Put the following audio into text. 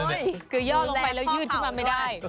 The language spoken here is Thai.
คือย่อลงไปแล้วยืดขึ้นมาไม่ได้